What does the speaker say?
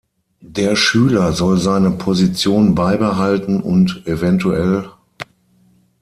Der Schüler soll seine Position beibehalten und evtl.